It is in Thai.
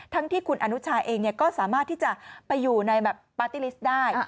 ที่คุณอนุชาเองก็สามารถที่จะไปอยู่ในแบบปาร์ตี้ลิสต์ได้